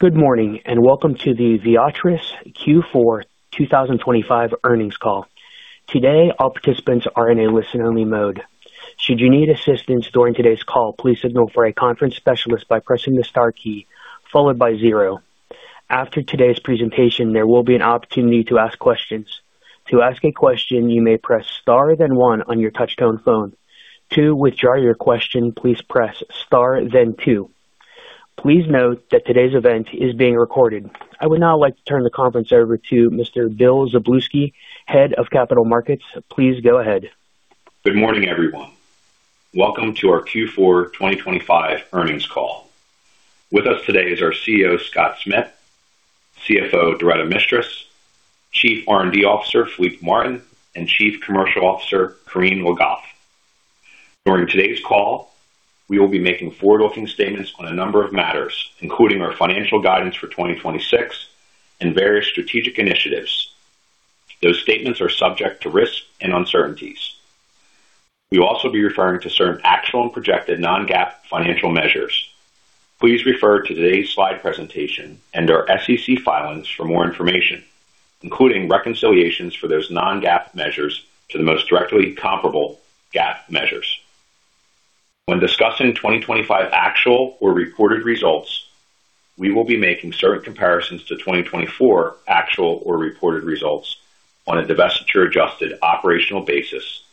Good morning, and welcome to the Viatris Q4 2025 earnings call. Today, all participants are in a listen-only mode. Should you need assistance during today's call, please signal for a conference specialist by pressing the star key, followed by zero. After today's presentation, there will be an opportunity to ask questions. To ask a question, you may press star, then one on your touchtone phone. To withdraw your question, please press star, then two. Please note that today's event is being recorded. I would now like to turn the conference over to Mr. Bill Szablewski, Head of Capital Markets. Please go ahead. Good morning, everyone. Welcome to our Q4 2025 earnings call. With us today is our CEO, Scott Smith, CFO, Doretta Mistras, Chief R&D Officer, Philippe Martin, and Chief Commercial Officer, Corinne Le Goff. During today's call, we will be making forward-looking statements on a number of matters, including our financial guidance for 2026 and various strategic initiatives. Those statements are subject to risks and uncertainties. We will also be referring to certain actual and projected non-GAAP financial measures. Please refer to today's slide presentation and our SEC filings for more information, including reconciliations for those non-GAAP measures to the most directly comparable GAAP measures. When discussing 2025 actual or reported results, we will be making certain comparisons to 2024 actual or reported results on a divestiture-adjusted operational basis,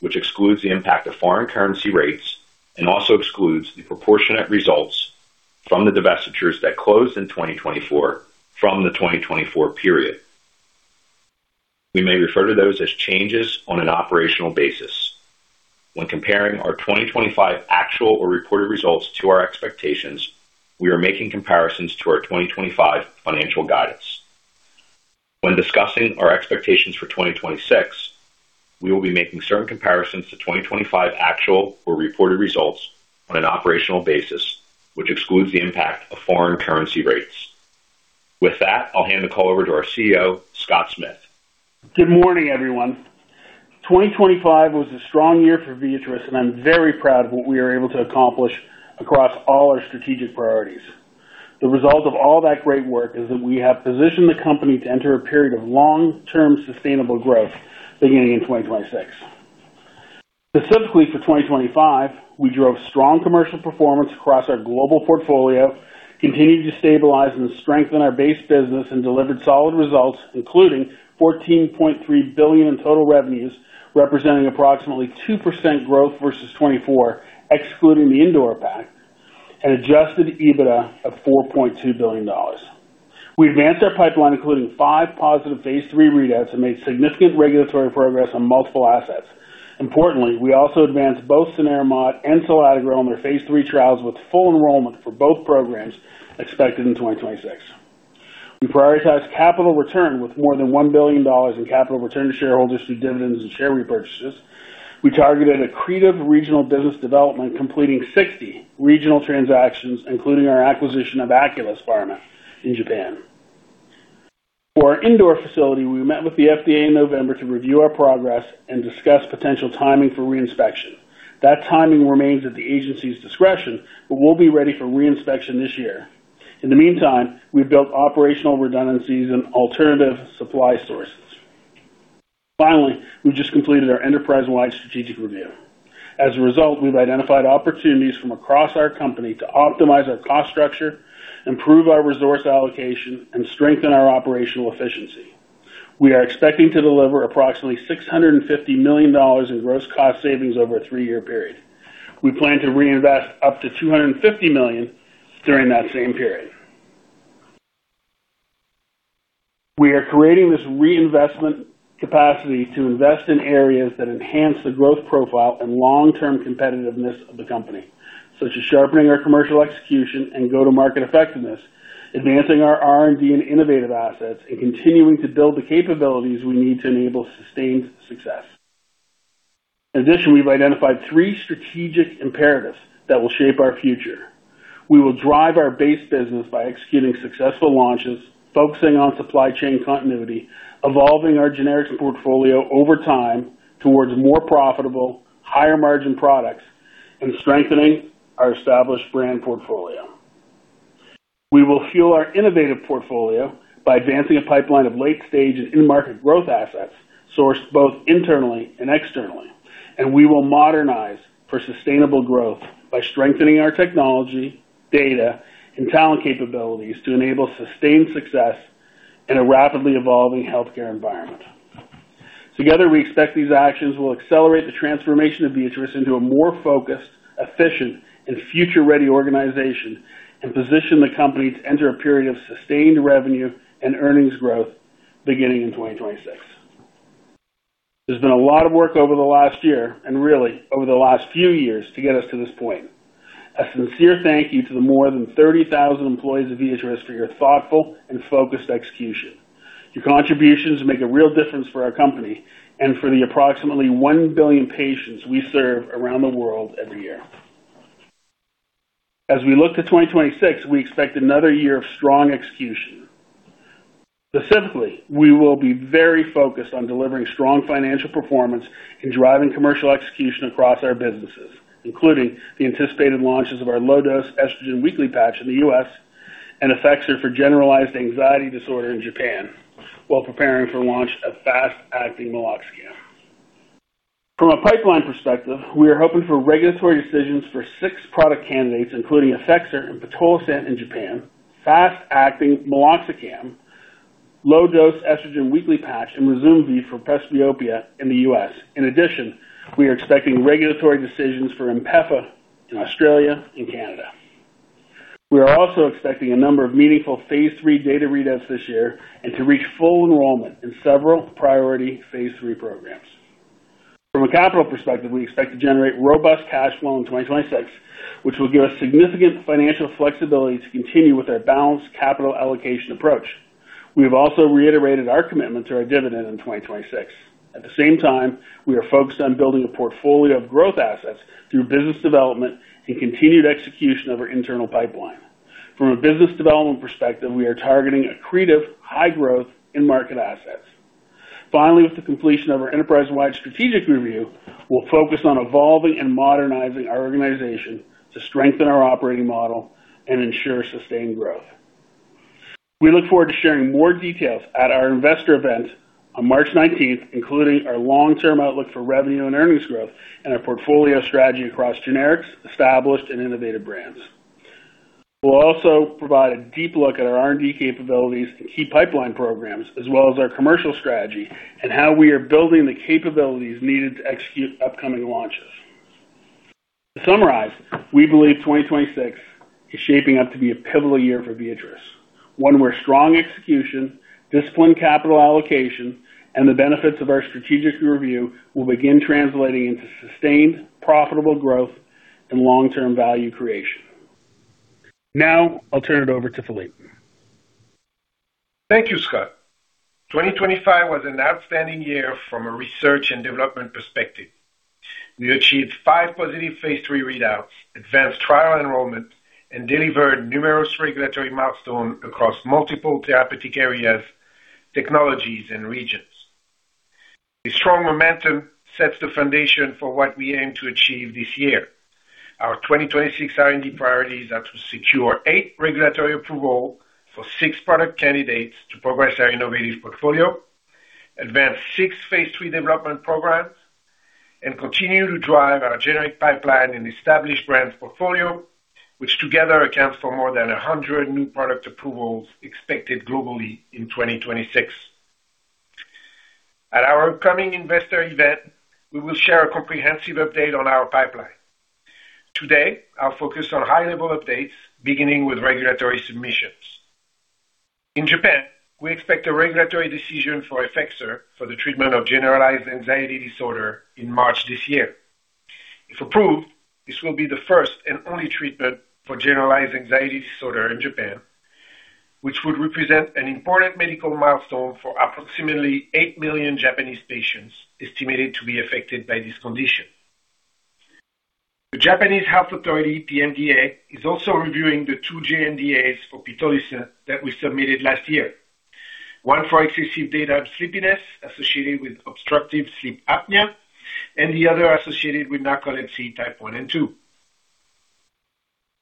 which excludes the impact of foreign currency rates and also excludes the proportionate results from the divestitures that closed in 2024 from the 2024 period. We may refer to those as changes on an operational basis. When comparing our 2025 actual or reported results to our expectations, we are making comparisons to our 2025 financial guidance. When discussing our expectations for 2026, we will be making certain comparisons to 2025 actual or reported results on an operational basis, which excludes the impact of foreign currency rates. With that, I'll hand the call over to our CEO, Scott Smith. Good morning, everyone. 2025 was a strong year for Viatris, and I'm very proud of what we are able to accomplish across all our strategic priorities. The result of all that great work is that we have positioned the company to enter a period of long-term sustainable growth beginning in 2026. Specifically, for 2025, we drove strong commercial performance across our global portfolio, continued to stabilize and strengthen our base business, and delivered solid results, including $14.3 billion in total revenues, representing approximately 2% growth versus 2024, excluding the India pack, and Adjusted EBITDA of $4.2 billion. We advanced our pipeline, including five positive Phase III readouts, and made significant regulatory progress on multiple assets. Importantly, we also advanced both cenerimod and Soladragrom, their Phase III trials, with full enrollment for both programs expected in 2026. We prioritized capital return with more than $1 billion in capital return to shareholders through dividends and share repurchases. We targeted accretive regional business development, completing 60 regional transactions, including our acquisition of Aculys Pharma in Japan. For our India facility, we met with the FDA in November to review our progress and discuss potential timing for reinspection. That timing remains at the agency's discretion, we'll be ready for reinspection this year. In the meantime, we've built operational redundancies and alternative supply sources. We've just completed our enterprise-wide strategic review. As a result, we've identified opportunities from across our company to optimize our cost structure, improve our resource allocation, and strengthen our operational efficiency. We are expecting to deliver approximately $650 million in gross cost savings over a 3-year period. We plan to reinvest up to $250 million during that same period. We are creating this reinvestment capacity to invest in areas that enhance the growth profile and long-term competitiveness of the company, such as sharpening our commercial execution and go-to-market effectiveness, advancing our R&D and innovative assets, and continuing to build the capabilities we need to enable sustained success. In addition, we've identified three strategic imperatives that will shape our future. We will drive our base business by executing successful launches, focusing on supply chain continuity, evolving our generics portfolio over time towards more profitable, higher-margin products, and strengthening our established brand portfolio. We will fuel our innovative portfolio by advancing a pipeline of late-stage and in-market growth assets sourced both internally and externally. We will modernize for sustainable growth by strengthening our technology, data, and talent capabilities to enable sustained success in a rapidly evolving healthcare environment. Together, we expect these actions will accelerate the transformation of Viatris into a more focused, efficient, and future-ready organization and position the company to enter a period of sustained revenue and earnings growth beginning in 2026. There's been a lot of work over the last year, really over the last few years to get us to this point. A sincere thank you to the more than 30,000 employees of Viatris for your thoughtful and focused execution. Your contributions make a real difference for our company and for the approximately 1 billion patients we serve around the world every year. As we look to 2026, we expect another year of strong execution. Specifically, we will be very focused on delivering strong financial performance and driving commercial execution across our businesses, including the anticipated launches of our low-dose estrogen weekly patch in the U.S. and EFFEXOR for generalized anxiety disorder in Japan, while preparing for launch of fast-acting meloxicam. From a pipeline perspective, we are hoping for regulatory decisions for six product candidates, including EFFEXOR and pitolisant in Japan, fast-acting meloxicam, low-dose estrogen weekly patch, and Ryzumvi for presbyopia in the U.S. We are expecting regulatory decisions for Inpefa in Australia and Canada. We are also expecting a number of meaningful Phase III data readouts this year and to reach full enrollment in several priority Phase III programs. From a capital perspective, we expect to generate robust cash flow in 2026, which will give us significant financial flexibility to continue with our balanced capital allocation approach. We have also reiterated our commitment to our dividend in 2026. At the same time, we are focused on building a portfolio of growth assets through business development and continued execution of our internal pipeline. From a business development perspective, we are targeting accretive high growth in market assets. Finally, with the completion of our enterprise-wide strategic review, we'll focus on evolving and modernizing our organization to strengthen our operating model and ensure sustained growth. We look forward to sharing more details at our investor event on March 19th, including our long-term outlook for revenue and earnings growth and our portfolio strategy across generics, established and innovative brands. We'll also provide a deep look at our R&D capabilities and key pipeline programs, as well as our commercial strategy and how we are building the capabilities needed to execute upcoming launches. To summarize, we believe 2026 is shaping up to be a pivotal year for Viatris, one where strong execution, disciplined capital allocation, and the benefits of our strategic review will begin translating into sustained, profitable growth and long-term value creation. I'll turn it over to Philippe. Thank you, Scott. 2025 was an outstanding year from a research and development perspective. We achieved five positive Phase III readouts, advanced trial enrollment, and delivered numerous regulatory milestones across multiple therapeutic areas, technologies, and regions. The strong momentum sets the foundation for what we aim to achieve this year. Our 2026 R&D priorities are to secure eight regulatory approvals for six product candidates to progress our innovative portfolio, advance six Phase III development programs, and continue to drive our generic pipeline and established brands portfolio, which together accounts for more than 100 new product approvals expected globally in 2026. At our upcoming investor event, we will share a comprehensive update on our pipeline. Today, I'll focus on high-level updates, beginning with regulatory submissions. In Japan, we expect a regulatory decision for EFFEXOR for the treatment of generalized anxiety disorder in March this year. If approved, this will be the first and only treatment for generalized anxiety disorder in Japan, which would represent an important medical milestone for approximately eight million Japanese patients estimated to be affected by this condition. The Japanese health authority, the NDA, is also reviewing the 2 JNDAs for pitolisant that we submitted last year, one for excessive daytime sleepiness associated with obstructive sleep apnea and the other associated with narcolepsy type 1 and 2.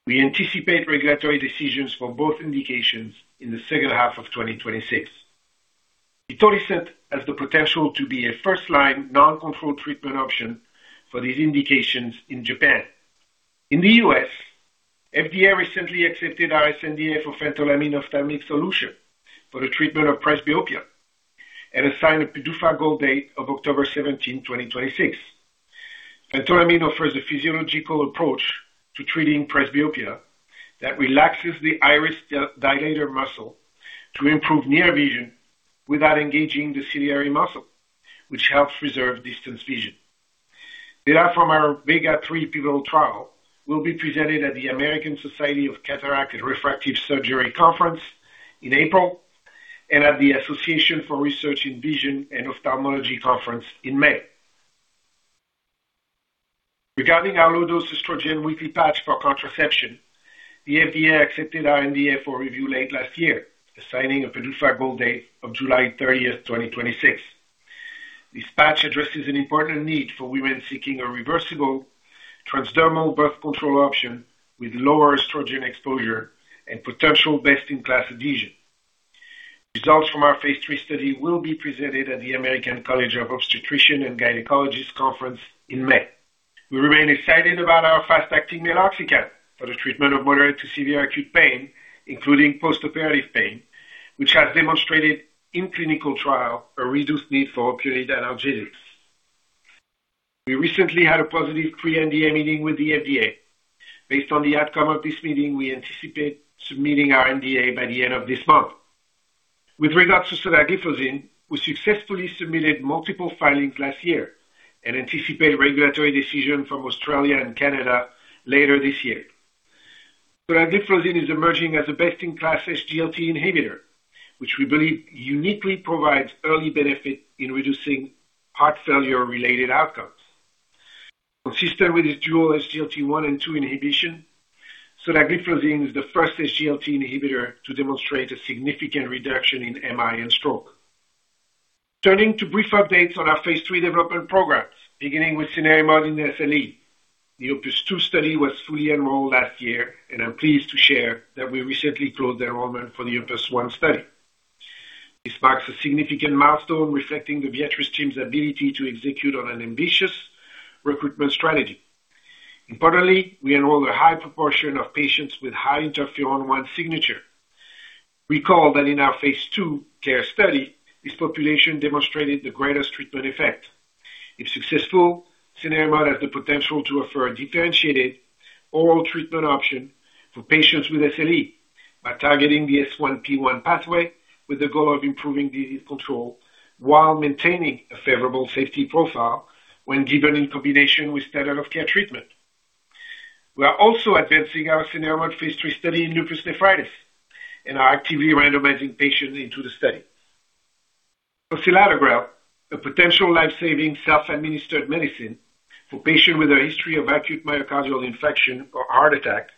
We anticipate regulatory decisions for both indications in the second half of 2026. Pitolisant has the potential to be a first-line, non-controlled treatment option for these indications in Japan. In the U.S., FDA recently accepted our SNDA for phenylephrine ophthalmic solution for the treatment of presbyopia and assigned a PDUFA goal date of October 17th, 2026. Phenylephrine offers a physiological approach to treating presbyopia that relaxes the iris dilator muscle to improve near vision without engaging the ciliary muscle, which helps preserve distance vision. Data from our VEGA-3 pivotal trial will be presented at the American Society of Cataract and Refractive Surgery Conference in April and at the Association for Research in Vision and Ophthalmology conference in May. Regarding our low-dose estrogen weekly patch for contraception, the FDA accepted our NDA for review late last year, assigning a PDUFA goal date of July 30, 2026. This patch addresses an important need for women seeking a reversible transdermal birth control option with lower estrogen exposure and potential best-in-class adhesion. Results from our Phase III study will be presented at the American College of Obstetricians and Gynecologists conference in May. We remain excited about our fast-acting meloxicam for the treatment of moderate to severe acute pain, including postoperative pain, which has demonstrated in clinical trial a reduced need for opioid analgesics. We recently had a positive pre-NDA meeting with the FDA. Based on the outcome of this meeting, we anticipate submitting our NDA by the end of this month. With regards to sotagliflozin, we successfully submitted multiple filings last year and anticipate regulatory decision from Australia and Canada later this year. Sotagliflozin is emerging as the best-in-class SGLT inhibitor, which we believe uniquely provides early benefit in reducing heart failure-related outcomes.... Consistent with this dual SGLT1 and SGLT2 inhibition, sotagliflozin is the first SGLT inhibitor to demonstrate a significant reduction in MI and stroke. Turning to brief updates on our Phase III development programs, beginning with cenerimod in SLE. The OPUS-2 study was fully enrolled last year, and I'm pleased to share that we recently closed the enrollment for the OPUS-1 study. This marks a significant milestone, reflecting the Viatris team's ability to execute on an ambitious recruitment strategy. Importantly, we enrolled a high proportion of patients with high Type I interferon signature. Recall that in our Phase II CARE study, this population demonstrated the greatest treatment effect. If successful, cenerimod has the potential to offer a differentiated oral treatment option for patients with SLE by targeting the S1P1 pathway, with the goal of improving disease control while maintaining a favorable safety profile when given in combination with standard of care treatment. We are also advancing our cenerimod Phase III study in lupus nephritis, and are actively randomizing patients into the study. For selatogrel, a potential life-saving, self-administered medicine for patients with a history of acute myocardial infarction or heart attack,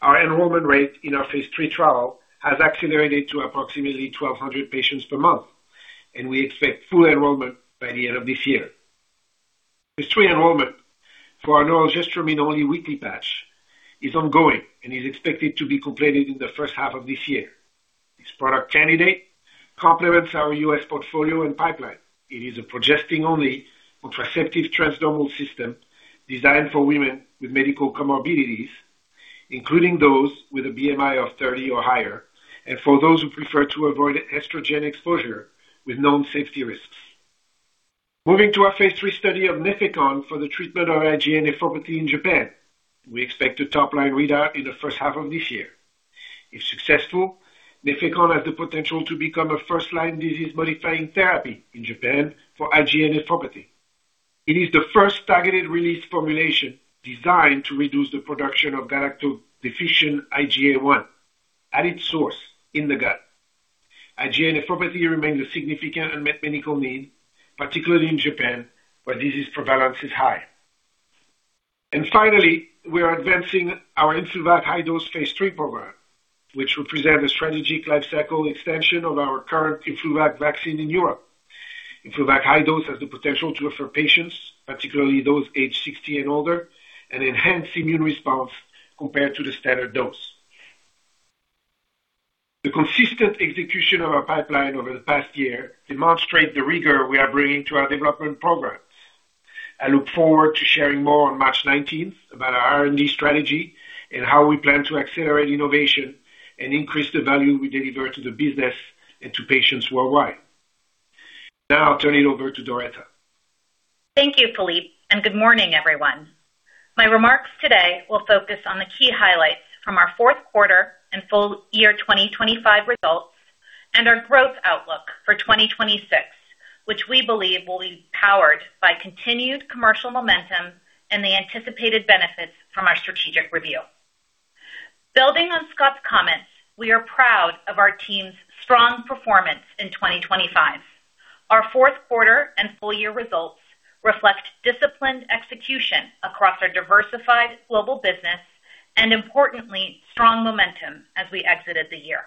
our enrollment rate in our Phase III trial has accelerated to approximately 1,200 patients per month, and we expect full enrollment by the end of this year. Phase III enrollment for our norelgestromin-only weekly patch is ongoing and is expected to be completed in the first half of this year. This product candidate complements our U.S. portfolio and pipeline. It is a progestin-only contraceptive transdermal system designed for women with medical comorbidities, including those with a BMI of 30 or higher, and for those who prefer to avoid estrogen exposure with known safety risks. Moving to our Phase III study of Nefecon for the treatment of IgA nephropathy in Japan. We expect a top-line readout in the first half of this year. If successful, Nefecon has the potential to become a first-line disease-modifying therapy in Japan for IgA nephropathy. It is the first targeted release formulation designed to reduce the production of galactose-deficient IgA1 at its source in the gut. IgA nephropathy remains a significant unmet medical need, particularly in Japan, where disease prevalence is high. Finally, we are advancing our Influvac High Dose Phase III program, which will present a strategic life cycle extension of our current Influvac vaccine in Europe. Influvac High Dose has the potential to offer patients, particularly those aged 60 and older, an enhanced immune response compared to the standard dose. The consistent execution of our pipeline over the past year demonstrate the rigor we are bringing to our development programs. I look forward to sharing more on March 19th about our R&D strategy and how we plan to accelerate innovation and increase the value we deliver to the business and to patients worldwide. Now I'll turn it over to Doretta. Thank you, Philippe. Good morning, everyone. My remarks today will focus on the key highlights from our fourth quarter and full year 2025 results, and our growth outlook for 2026, which we believe will be powered by continued commercial momentum and the anticipated benefits from our strategic review. Building on Scott's comments, we are proud of our team's strong performance in 2025. Our fourth quarter and full year results reflect disciplined execution across our diversified global business and importantly, strong momentum as we exited the year.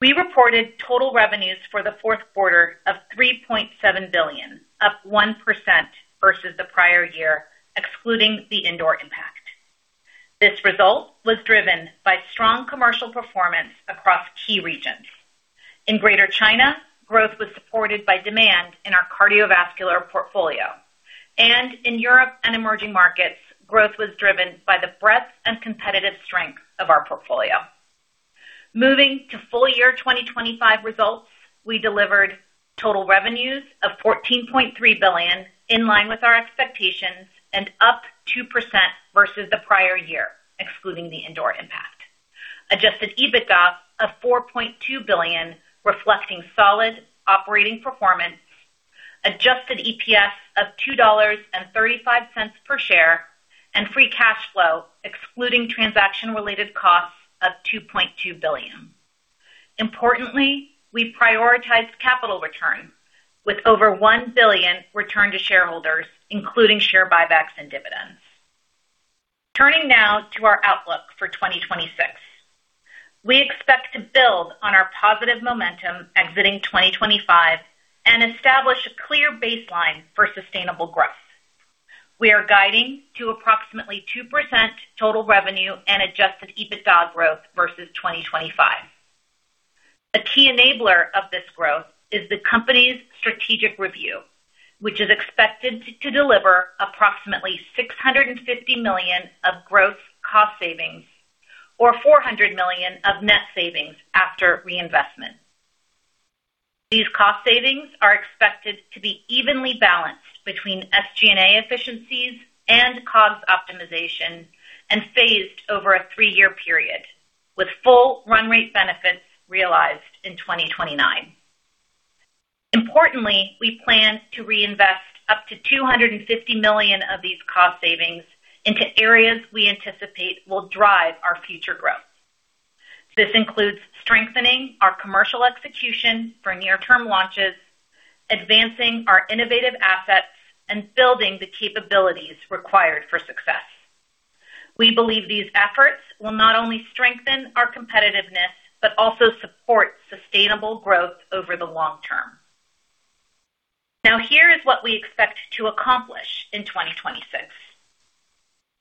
We reported total revenues for the fourth quarter of $3.7 billion, up 1% versus the prior year, excluding the indoor impact. This result was driven by strong commercial performance across key regions. In Greater China, growth was supported by demand in our cardiovascular portfolio. In Europe and emerging markets, growth was driven by the breadth and competitive strength of our portfolio. Moving to full year 2025 results, we delivered total revenues of $14.3 billion, in line with our expectations, and up 2% versus the prior year, excluding the indoor impact. Adjusted EBITDA of $4.2 billion, reflecting solid operating performance, Adjusted EPS of $2.35 per share, and free cash flow, excluding transaction-related costs of $2.2 billion. Importantly, we prioritized capital return with over $1 billion returned to shareholders, including share buybacks and dividends. Turning now to our outlook for 2026. We expect to build on our positive momentum exiting 2025 and establish a clear baseline for sustainable growth. We are guiding to approximately 2% total revenue and Adjusted EBITDA growth versus 2025. A key enabler of this growth is the company's strategic review, which is expected to deliver approximately $650 million of gross cost savings or $400 million of net savings after reinvestment. These cost savings are expected to be evenly balanced between SG&A efficiencies and COGS optimization, and phased over a three-year period, with full run rate benefits realized in 2029. Importantly, we plan to reinvest up to $250 million of these cost savings into areas we anticipate will drive our future growth. This includes strengthening our commercial execution for near-term launches, advancing our innovative assets, and building the capabilities required for success. We believe these efforts will not only strengthen our competitiveness, but also support sustainable growth over the long term. Now, here is what we expect to accomplish in 2026.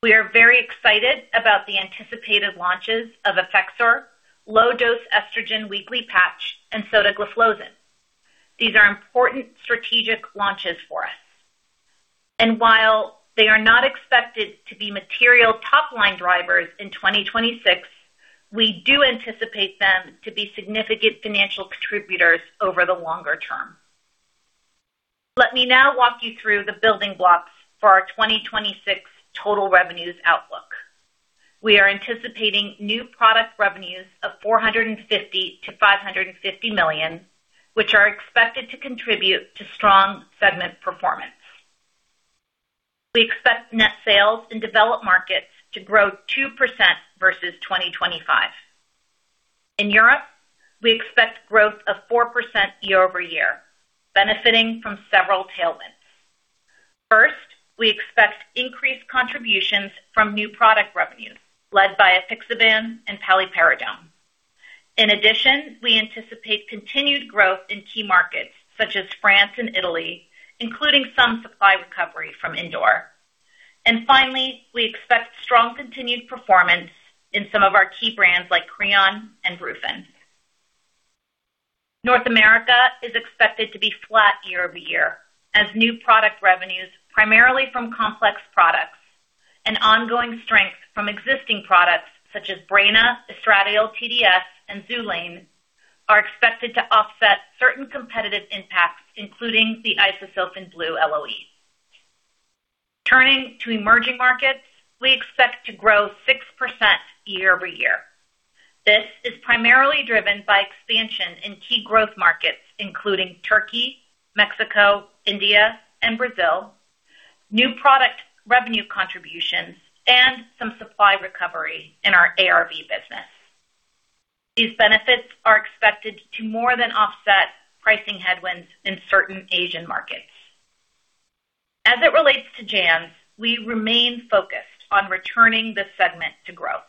We are very excited about the anticipated launches of EFFEXOR, low-dose estrogen weekly patch, and sotagliflozin. These are important strategic launches for us. While they are not expected to be material top-line drivers in 2026, we do anticipate them to be significant financial contributors over the longer term. Let me now walk you through the building blocks for our 2026 total revenues outlook. We are anticipating new product revenues of $450-550 million, which are expected to contribute to strong segment performance. We expect net sales in developed markets to grow 2% versus 2025. In Europe, we expect growth of 4% year-over-year, benefiting from several tailwinds. First, we expect increased contributions from new product revenues, led by apixaban and paliperidone. We anticipate continued growth in key markets such as France and Italy, including some supply recovery from India. Finally, we expect strong continued performance in some of our key brands, like Creon and Rufin. North America is expected to be flat year-over-year, as new product revenues, primarily from complex products and ongoing strength from existing products such as Brina, Estradiol TDS, and Xulane, are expected to offset certain competitive impacts, including the Isosulfan Blue LOE. Turning to emerging markets, we expect to grow 6% year-over-year. This is primarily driven by expansion in key growth markets, including Turkey, Mexico, India, and Brazil, new product revenue contributions, and some supply recovery in our ARV business. These benefits are expected to more than offset pricing headwinds in certain Asian markets. As it relates to JANZ, we remain focused on returning the segment to growth.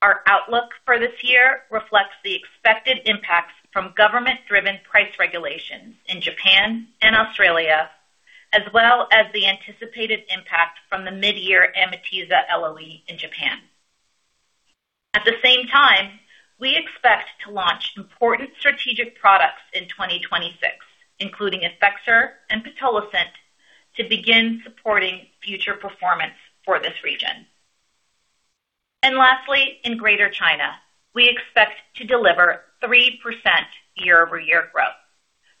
Our outlook for this year reflects the expected impacts from government-driven price regulations in Japan and Australia, as well as the anticipated impact from the mid-year Amitiza LOE in Japan. At the same time, we expect to launch important strategic products in 2026, including EFFEXOR and pitolisant, to begin supporting future performance for this region. Lastly, in Greater China, we expect to deliver 3% year-over-year growth,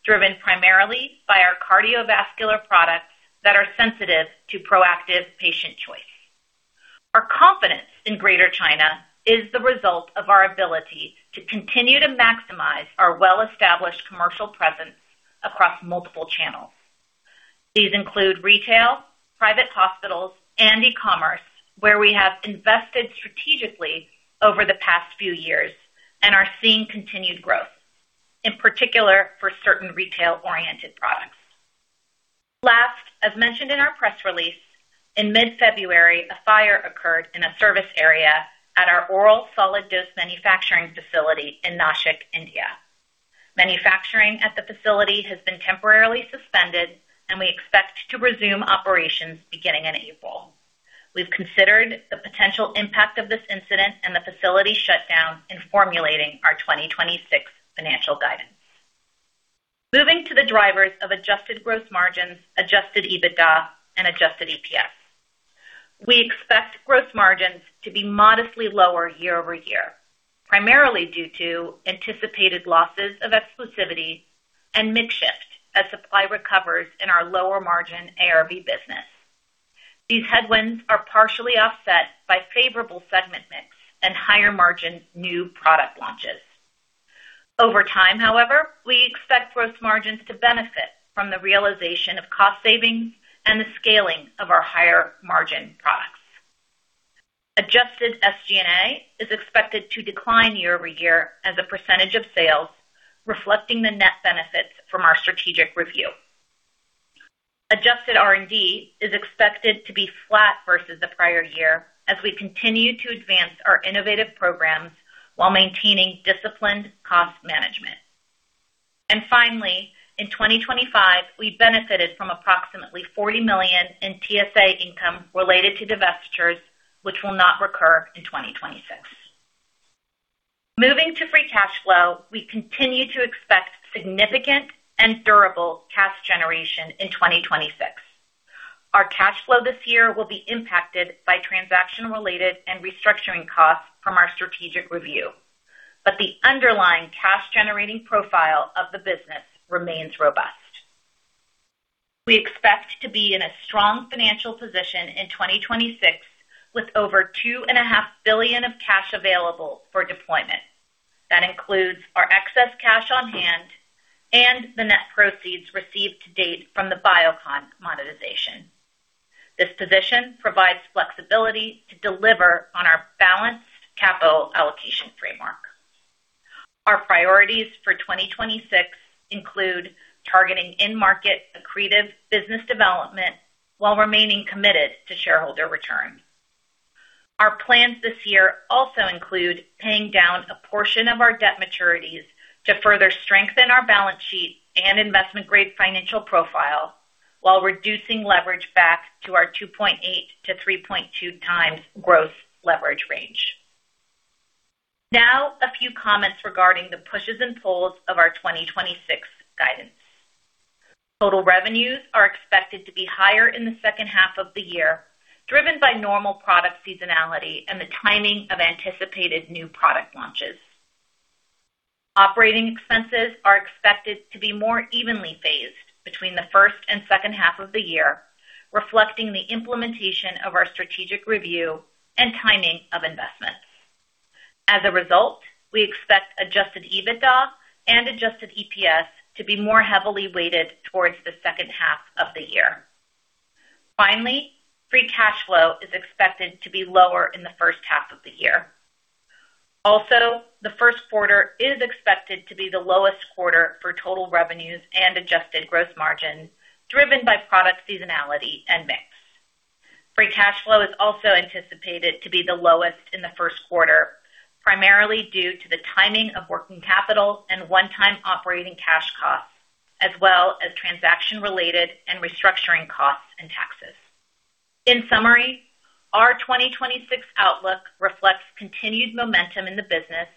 driven primarily by our cardiovascular products that are sensitive to proactive patient choice. Our confidence in Greater China is the result of our ability to continue to maximize our well-established commercial presence across multiple channels. These include retail, private hospitals, and e-commerce, where we have invested strategically over the past few years and are seeing continued growth, in particular for certain retail-oriented products. As mentioned in our press release, in mid-February, a fire occurred in a service area at our oral solid dose manufacturing facility in Nashik, India. Manufacturing at the facility has been temporarily suspended. We expect to resume operations beginning in April. We've considered the potential impact of this incident and the facility shutdown in formulating our 2026 financial guidance. Moving to the drivers of adjusted gross margins, Adjusted EBITDA, and Adjusted EPS. We expect gross margins to be modestly lower year-over-year, primarily due to anticipated losses of exclusivity and midshift as supply recovers in our lower-margin ARV business. These headwinds are partially offset by favorable segment mix and higher-margin new product launches. Over time, however, we expect gross margins to benefit from the realization of cost savings and the scaling of our higher-margin products. Adjusted SG&A is expected to decline year-over-year as a percentage of sales, reflecting the net benefits from our strategic review. Adjusted R&D is expected to be flat versus the prior year as we continue to advance our innovative programs while maintaining disciplined cost management. Finally, in 2025, we benefited from approximately $40 million in TSA income related to divestitures, which will not recur in 2026. Moving to free cash flow, we continue to expect significant and durable cash generation in 2026. Our cash flow this year will be impacted by transaction-related and restructuring costs from our strategic review, but the underlying cash-generating profile of the business remains robust. We expect to be in a strong financial position in 2026, with over $2.5 billion of cash available for deployment. That includes our excess cash on hand and the net proceeds received to date from the Biocon monetization. This position provides flexibility to deliver on our balanced capital allocation framework. Our priorities for 2026 include targeting end-market accretive business development while remaining committed to shareholder return. Our plans this year also include paying down a portion of our debt maturities to further strengthen our balance sheet and investment-grade financial profile, while reducing leverage back to our 2.8x-3.2x growth leverage range. A few comments regarding the pushes and pulls of our 2026 guidance. Total revenues are expected to be higher in the second half of the year, driven by normal product seasonality and the timing of anticipated new product launches. Operating expenses are expected to be more evenly phased between the first and second half of the year, reflecting the implementation of our strategic review and timing of investments. As a result, we expect Adjusted EBITDA and Adjusted EPS to be more heavily weighted towards the second half of the year. Free cash flow is expected to be lower in the first half of the year. The first quarter is expected to be the lowest quarter for total revenues and adjusted gross margin, driven by product seasonality and mix. Free cash flow is also anticipated to be the lowest in the first quarter, primarily due to the timing of working capital and one-time operating cash costs, as well as transaction-related and restructuring costs and taxes. In summary, our 2026 outlook reflects continued momentum in the business,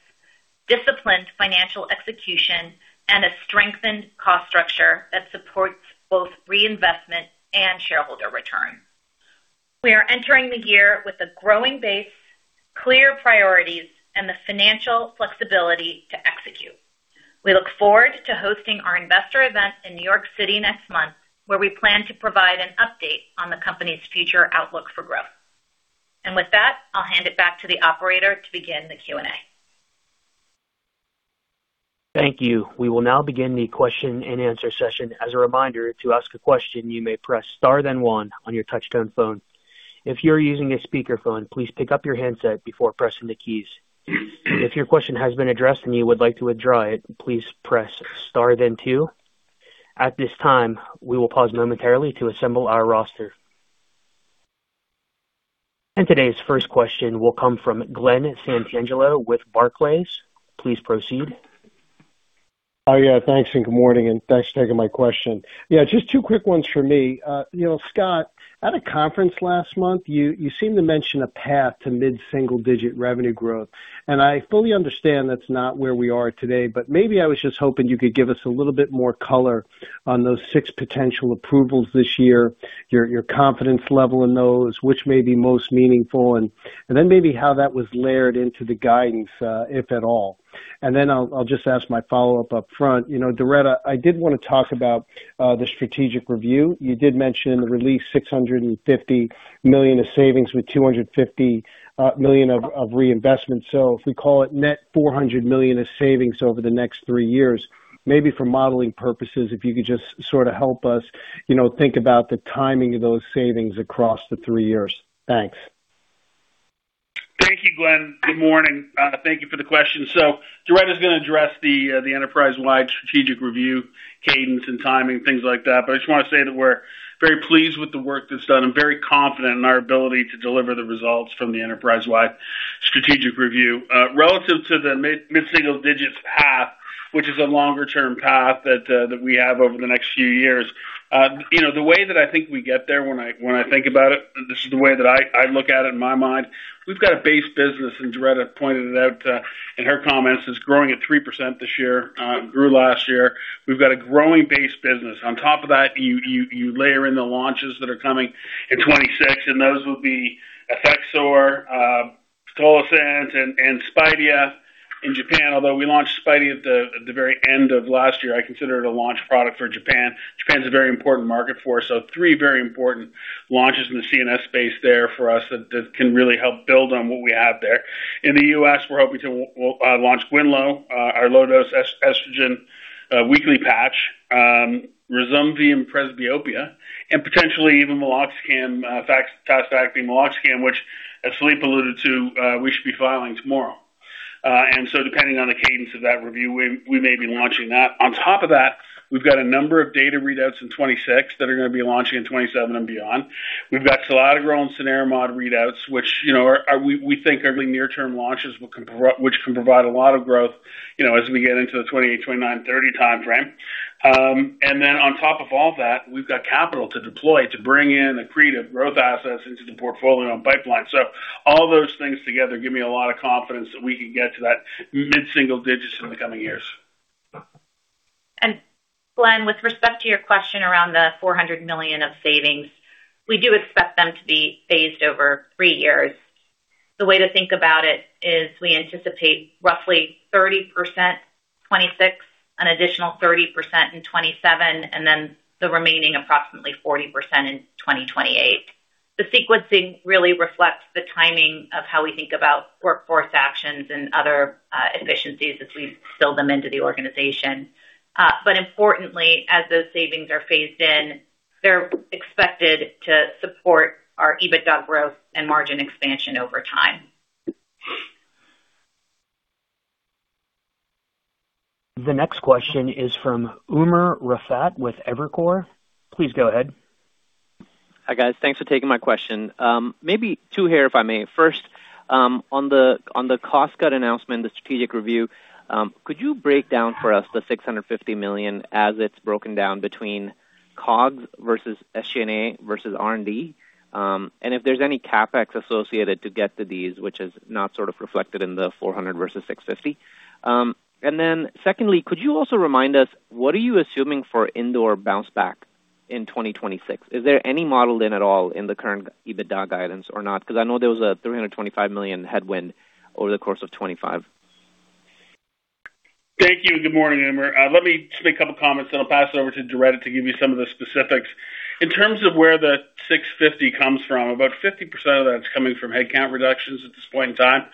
disciplined financial execution, and a strengthened cost structure that supports both reinvestment and shareholder return. We are entering the year with a growing base, clear priorities, and the financial flexibility to execute. We look forward to hosting our investor event in New York City next month, where we plan to provide an update on the company's future outlook for growth. With that, I'll hand it back to the operator to begin the Q&A. Thank you. We will now begin the question-and-answer session. As a reminder, to ask a question, you may press Star, then one on your touchtone phone. If you're using a speakerphone, please pick up your handset before pressing the keys. If your question has been addressed and you would like to withdraw it, please press Star then two. At this time, we will pause momentarily to assemble our roster. Today's first question will come from Glen Santangelo with Barclays. Please proceed. Oh, yeah, thanks and good morning, and thanks for taking my question. Yeah, just two quick ones for me. You know, Scott, at a conference last month, you seemed to mention a path to mid-single-digit revenue growth, and I fully understand that's not where we are today, but maybe I was just hoping you could give us a little bit more color on those six potential approvals this year, your confidence level in those, which may be most meaningful, and then maybe how that was layered into the guidance, if at all? I'll just ask my follow-up upfront. You know, Doretta, I did want to talk about the strategic review. You did mention release $650 million of savings with $250 million of reinvestment. If we call it net $400 million of savings over the next three years, maybe for modeling purposes, if you could just sort of help us, you know, think about the timing of those savings across the three years. Thanks. Thank you, Glenn. Good morning. Thank you for the question. Doretta is going to address the enterprise-wide strategic review, cadence and timing, things like that. I just want to say that we're very pleased with the work that's done and very confident in our ability to deliver the results from the enterprise-wide strategic review. Relative to the mid-single digits path, which is a longer-term path that we have over the next few years. You know, the way that I think we get there when I think about it, this is the way that I look at it in my mind. We've got a base business, and Doretta pointed it out in her comments, is growing at 3% this year, grew last year. We've got a growing base business. On top of that, you, you layer in the launches that are coming in 26, and those will be Effexor, Tolosent and Spydia in Japan, although we launched Spydia at the very end of last year. I consider it a launch product for Japan. Japan is a very important market for us, three very important launches in the CNS space there for us that can really help build on what we have there. In the U.S., we're hoping to launch Quinvlo, our low-dose estrogen, weekly patch, Ryzumvi and presbyopia, and potentially even meloxicam, which as Scott alluded to, we should be filing tomorrow. Depending on the cadence of that review, we may be launching that. On top of that, we've got a number of data readouts in 2026 that are going to be launching in 2027 and beyond. We've got selatogrel and cenerimod readouts, which, you know, we think are near-term launches, which can provide a lot of growth, you know, as we get into the 2028, 2029, 2030 timeframe. On top of all that, we've got capital to deploy to bring in accretive growth assets into the portfolio and pipeline. All those things together give me a lot of confidence that we can get to that mid-single digits in the coming years. Glen, with respect to your question around the $400 million of savings, we do expect them to be phased over three years. The way to think about it is we anticipate roughly 30%, 2026, an additional 30% in 2027, and then the remaining approximately 40% in 2028. The sequencing really reflects the timing of how we think about workforce actions and other efficiencies as we fill them into the organization. Importantly, as those savings are phased in, they're expected to support our EBITDA growth and margin expansion over time. The next question is from Umer Raffat with Evercore. Please go ahead. Hi, guys. Thanks for taking my question. maybe two here, if I may. First, on the cost cut announcement, the strategic review, could you break down for us the $650 million as it's broken down between COGS versus SG&A versus R&D, and if there's any CapEx associated to get to these, which is not sort of reflected in the $400 versus $650? Secondly, could you also remind us, what are you assuming for India bounce back in 2026? Is there any model in at all in the current EBITDA guidance or not? Because I know there was a $325 million headwind over the course of 2025. Thank you. Good morning, Umer. Let me just make a couple comments, then I'll pass it over to Doretta to give you some of the specifics. In terms of where the $650 comes from, about 50% of that's coming from headcount reductions at this point in time.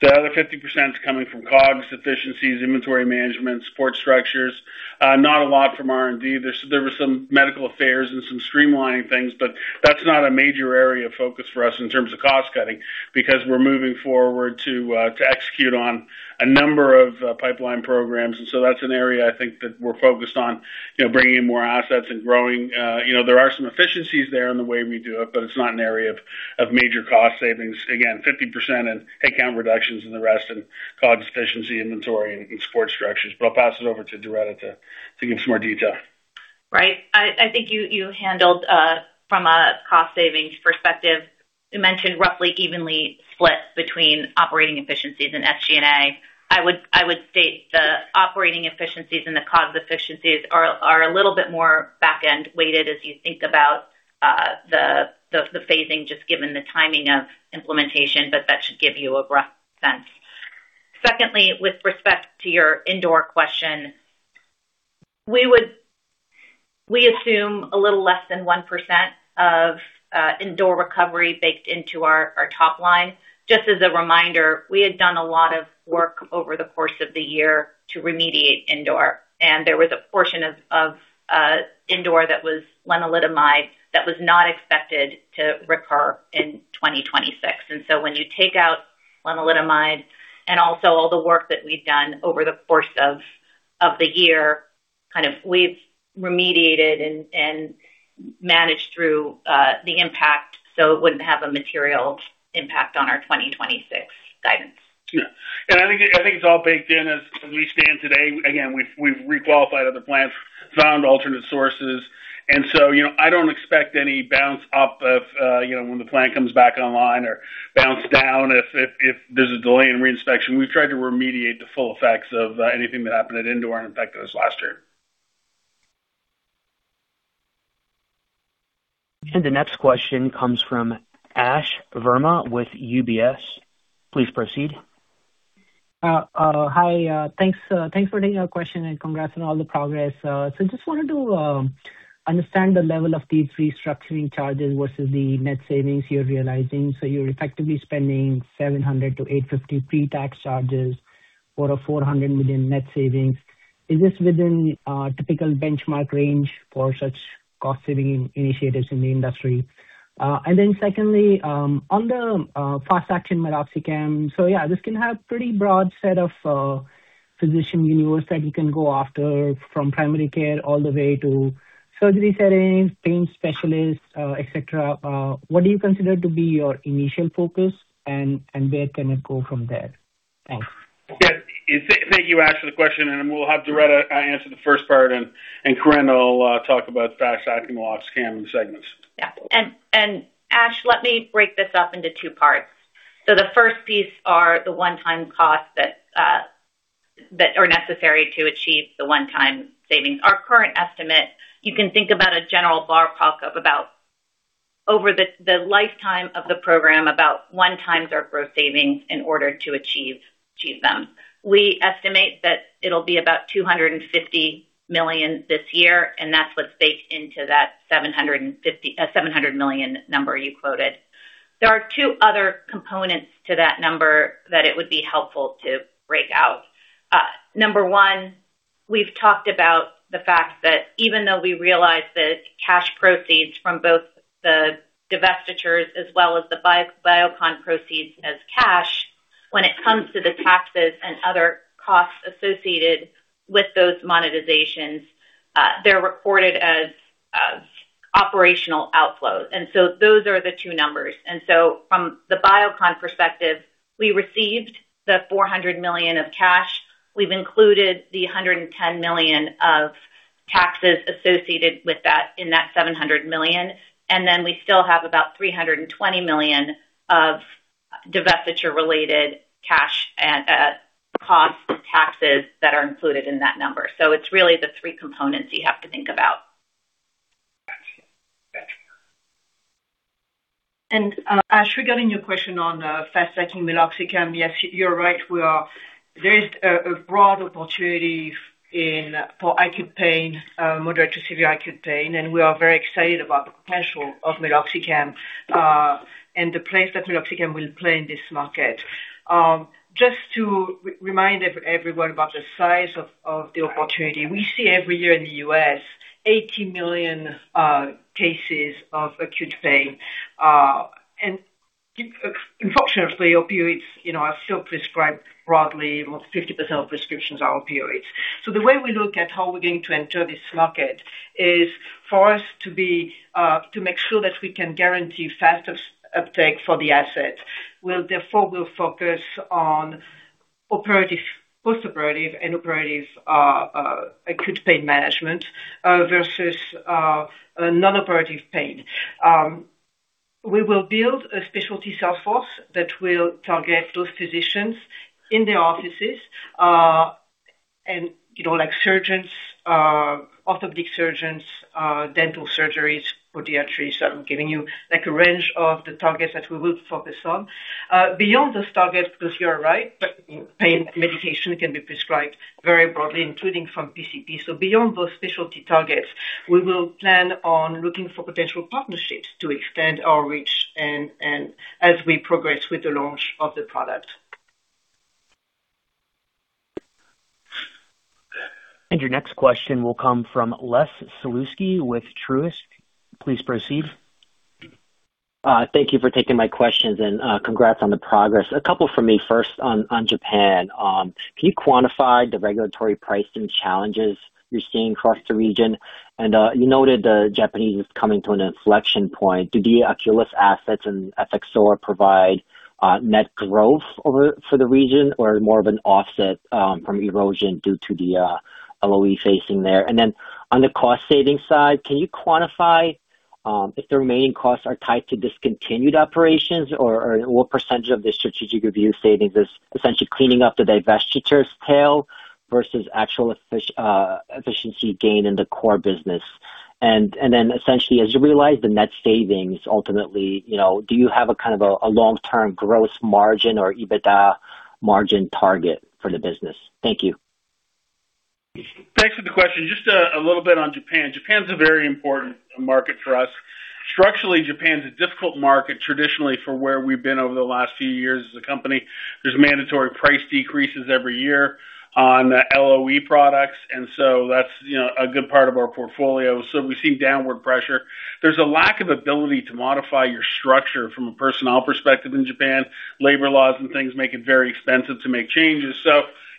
The other 50% is coming from COGS, efficiencies, inventory management, support structures, not a lot from R&D. There were some medical affairs and some streamlining things, but that's not a major area of focus for us in terms of cost cutting, because we're moving forward to execute on a number of pipeline programs. That's an area I think that we're focused on, you know, bringing in more assets and growing. you know, there are some efficiencies there in the way we do it, but it's not an area of major cost savings. Again, 50% in headcount reductions and the rest in COGS efficiency, inventory, and support structures. I'll pass it over to Doretta to give some more detail. Right. I think you handled from a cost savings perspective. You mentioned roughly evenly split between operating efficiencies and SG&A. I would state the operating efficiencies and the COGS efficiencies are a little bit more back-end weighted as you think about the phasing, just given the timing of implementation, but that should give you a rough sense. Secondly, with respect to your India question, we assume a little less than 1% of India recovery baked into our top line. Just as a reminder, we had done a lot of work over the course of the year to remediate India, and there was a portion of India that was lenalidomide that was not expected to recur in 2026. When you take out lenalidomide and also all the work that we've done over the course of the year, kind of we've remediated and managed through the impact, so it wouldn't have a material impact on our 2026 guidance. Yeah. I think, I think it's all baked in as we stand today. Again, we've requalified other plants, found alternate sources, so, you know, I don't expect any bounce up of, you know, when the plant comes back online or bounce down if there's a delay in reinspection. We've tried to remediate the full effects of anything that happened at India and affected us last year. The next question comes from Ash Verma with UBS. Please proceed. Hi, thanks for taking our question. Congrats on all the progress. Just wanted to understand the level of the restructuring charges versus the net savings you're realizing. You're effectively spending $700-850 pre-tax charges for a $400 million net savings. Is this within typical benchmark range for such cost-saving initiatives in the industry? Then secondly, on the fast-acting meloxicam. Yeah, this can have pretty broad set of physician universe that you can go after, from primary care all the way to surgery settings, pain specialists, et cetera. What do you consider to be your initial focus and where can it go from there? Thanks. Yeah, thank you, Ash, for the question, and we'll have Doretta answer the first part and Corinne will talk about fast-acting meloxicam segments. Yeah. Ash, let me break this up into two parts. The first piece are the one-time costs that are necessary to achieve the one-time savings. Our current estimate, you can think about a general ballpark of about over the lifetime of the program, about 1 times our gross savings in order to achieve them. We estimate that it'll be about $250 million this year, and that's what's baked into that $700 million number you quoted. There are two other components to that number that it would be helpful to break out. Number one, we've talked about the fact that even though we realize that cash proceeds from both the divestitures as well as the Biocon proceeds as cash, when it comes to the taxes and other costs associated with those monetizations, they're recorded as operational outflows. Those are the two numbers. From the Biocon perspective, we received the $400 million of cash. We've included the $110 million of taxes associated with that in that $700 million, we still have about $320 million of divestiture-related cash and costs and taxes that are included in that number. It's really the three components you have to think about. Gotcha. Thanks. Ash, regarding your question on fast-acting meloxicam, yes, you're right. There is a broad opportunity for acute pain, moderate to severe acute pain, and we are very excited about the potential of meloxicam, and the place that meloxicam will play in this market. Just to remind everyone about the size of the opportunity, we see every year in the US, 80 million cases of acute pain. Unfortunately, opioids, you know, are still prescribed broadly. About 50% of prescriptions are opioids. The way we look at how we're going to enter this market is for us to be to make sure that we can guarantee faster uptake for the asset. Therefore, we'll focus on post-operative and operative acute pain management versus non-operative pain. We will build a specialty sales force that will target those physicians in their offices, and, you know, like surgeons, orthopedic surgeons, dental surgeries, podiatrists. I'm giving you, like, a range of the targets that we will focus on. Beyond those targets, because you are right, pain medication can be prescribed very broadly, including from PCP. Beyond those specialty targets, we will plan on looking for potential partnerships to extend our reach and as we progress with the launch of the product. Your next question will come from Les Sulewski with Truist. Please proceed. Thank you for taking my questions, congrats on the progress. A couple from me. First, on Japan, can you quantify the regulatory pricing challenges you're seeing across the region? You noted the Japanese was coming to an inflection point. Do the Oculis assets and Effexor provide net growth for the region, or more of an offset from erosion due to the LOE facing there? On the cost savings side, can you quantify if the remaining costs are tied to discontinued operations, or what percentage of the strategic review savings is essentially cleaning up the divestiture's tail versus actual efficiency gain in the core business? Then essentially, as you realize the net savings, ultimately, you know, do you have a kind of a long-term gross margin or EBITDA margin target for the business? Thank you. Thanks for the question. Just a little bit on Japan. Japan's a very important market for us. Structurally, Japan's a difficult market traditionally for where we've been over the last few years as a company. There's mandatory price decreases every year on the LOE products. That's, you know, a good part of our portfolio. We've seen downward pressure. There's a lack of ability to modify your structure from a personnel perspective in Japan. Labor laws and things make it very expensive to make changes.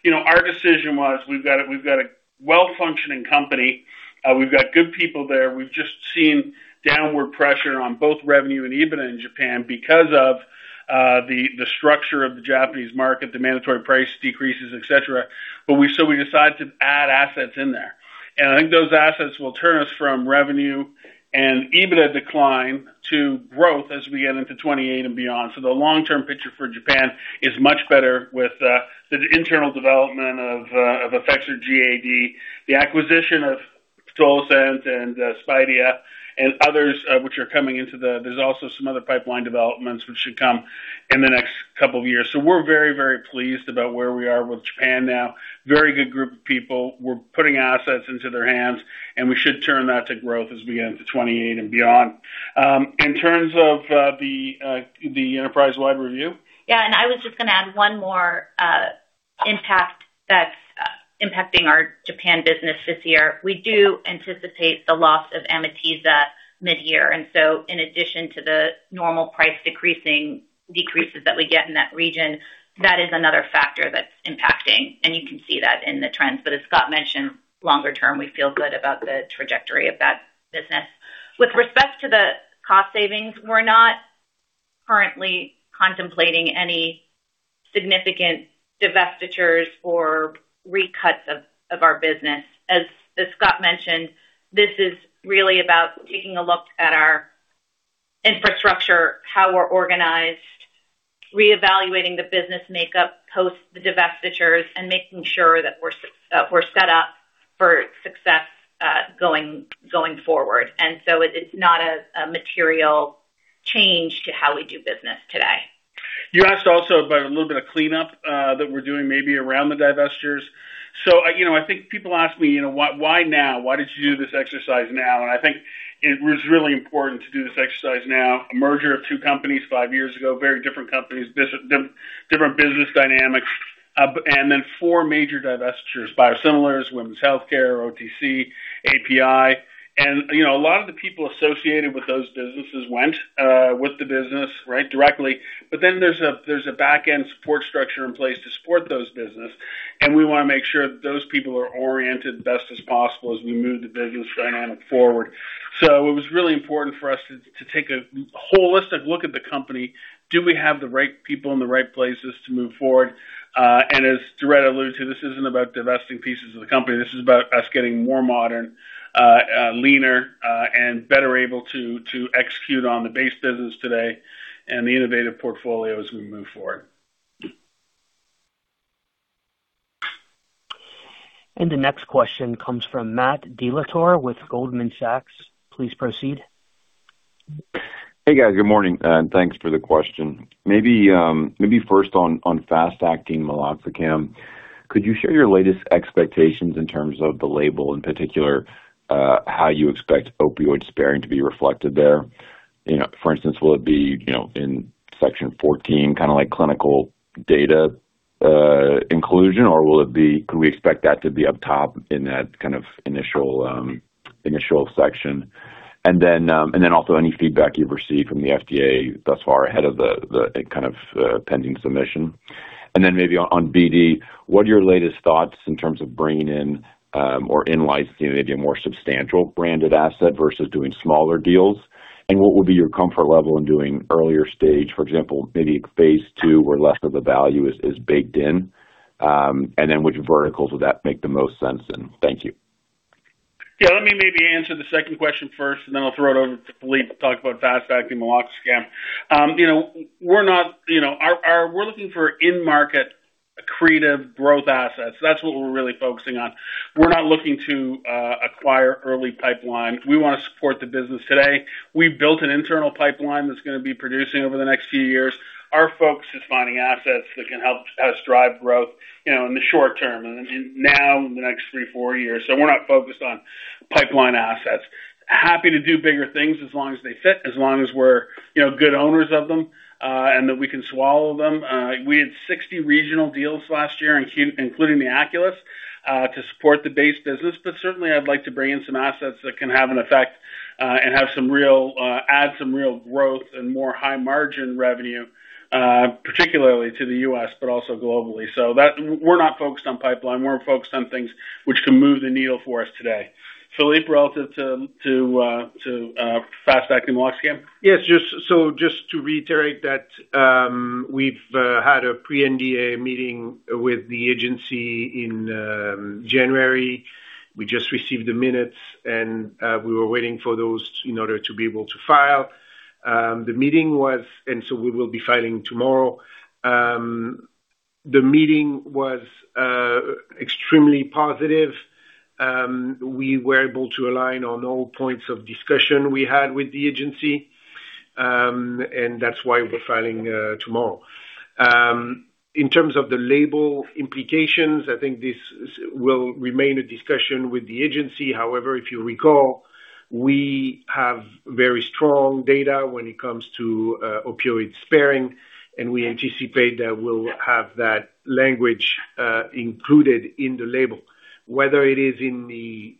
You know, our decision was, we've got a well-functioning company. We've got good people there. We've just seen downward pressure on both revenue and EBITDA in Japan because of the structure of the Japanese market, the mandatory price decreases, et cetera. We decided to add assets in there, and I think those assets will turn us from revenue and EBITDA decline to growth as we get into 2028 and beyond. The long-term picture for Japan is much better with the internal development of Effexor GAD, the acquisition of Toluzent and Spidea and others, which are coming into the... There's also some other pipeline developments which should come in the next couple of years. We're very, very pleased about where we are with Japan now. Very good group of people. We're putting assets into their hands, and we should turn that to growth as we get into 2028 and beyond. In terms of the enterprise-wide review? I was just gonna add one more impact that's impacting our Japan business this year. We do anticipate the loss of Amitiza mid-year. In addition to the normal price decreases that we get in that region, that is another factor that's impacting, and you can see that in the trends. As Scott mentioned, longer term, we feel good about the trajectory of that business. With respect to the cost savings, we're not currently contemplating any significant divestitures or recuts of our business. As Scott mentioned, this is really about taking a look at our infrastructure, how we're organized, reevaluating the business makeup post the divestitures, and making sure that we're set up for success going forward. It's not a material change to how we do business today. You asked also about a little bit of cleanup that we're doing maybe around the divestitures. I, you know, I think people ask me, you know, "Why now? Why did you do this exercise now?" I think it was really important to do this exercise now. A merger of 2 companies 5 years ago, very different companies, different business dynamics, and then 4 major divestitures, biosimilars, women's healthcare, OTC, API. You know, a lot of the people associated with those businesses went with the business, right, directly. Then there's a back-end support structure in place to support those business, and we want to make sure that those people are oriented as best as possible as we move the business dynamic forward. It was really important for us to take a holistic look at the company. Do we have the right people in the right places to move forward? As Doretta alluded to, this isn't about divesting pieces of the company. This is about us getting more modern, leaner, and better able to execute on the base business today and the innovative portfolio as we move forward. The next question comes from Matt Dellatorre with Goldman Sachs. Please proceed. Hey, guys. Good morning. Thanks for the question. Maybe, maybe first on fast-acting meloxicam, could you share your latest expectations in terms of the label, in particular, how you expect opioid sparing to be reflected there? You know, for instance, will it be, you know, in section 14, kind of like clinical data?... inclusion, or will it be, can we expect that to be up top in that kind of initial section? Also any feedback you've received from the FDA thus far ahead of the kind of pending submission? Maybe on BD, what are your latest thoughts in terms of bringing in, or in licensing, maybe a more substantial branded asset versus doing smaller deals? What would be your comfort level in doing earlier stage, for example, maybe Phase II, where less of the value is baked in? Which verticals would that make the most sense in? Thank you. Yeah, let me maybe answer the second question first, and then I'll throw it over to Philippe to talk about fast-acting naloxone. you know, we're not, you know, our, we're looking for in-market accretive growth assets. That's what we're really focusing on. We're not looking to acquire early pipeline. We want to support the business today. We've built an internal pipeline that's gonna be producing over the next few years. Our focus is finding assets that can help us drive growth, you know, in the short term, and now in the next three, four years. We're not focused on pipeline assets. Happy to do bigger things as long as they fit, as long as we're, you know, good owners of them, and that we can swallow them. We had 60 regional deals last year, including the Aculys, to support the base business. Certainly, I'd like to bring in some assets that can have an effect and have some real, add some real growth and more high margin revenue, particularly to the US, but also globally. We're not focused on pipeline, we're focused on things which can move the needle for us today. Philippe, relative to fast-acting naloxone? Yes, just to reiterate that, we've had a pre-PMDA meeting with the agency in January. We just received the minutes. We were waiting for those in order to be able to file. We will be filing tomorrow. The meeting was extremely positive. We were able to align on all points of discussion we had with the agency. That's why we're filing tomorrow. In terms of the label implications, I think this will remain a discussion with the agency. However, if you recall, we have very strong data when it comes to opioid sparing, and we anticipate that we'll have that language included in the label. Whether it is in the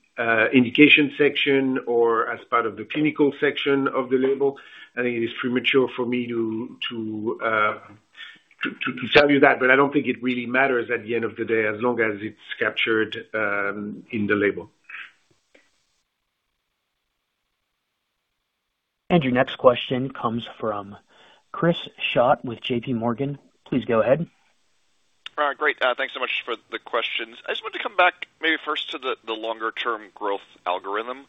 indication section or as part of the clinical section of the label, I think it is premature for me to tell you that. I don't think it really matters at the end of the day, as long as it's captured in the label. Your next question comes from Chris Schott with J.P. Morgan. Please go ahead. Great. Thanks so much for the questions. I just wanted to come back maybe first to the longer term growth algorithm.